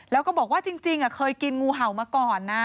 แล้วก็บอกว่าจริงเคยกินงูเห่ามาก่อนนะ